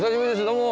どうも。